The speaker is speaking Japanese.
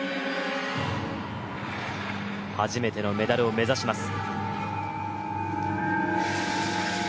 初めてのメダルを目指します。